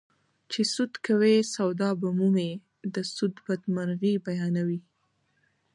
چې سود کوې سودا به مومې د سود بدمرغي بیانوي